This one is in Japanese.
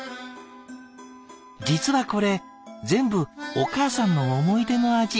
実はこれ全部お母さんの思い出の味。